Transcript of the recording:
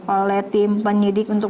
oleh tim penyidik untuk